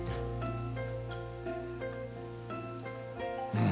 うん。